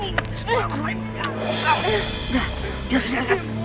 masalah dia ya gak usah dipikirkan ya